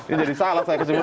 ini jadi salah saya kesimpulan